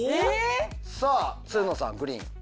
さあつるのさんグリーン。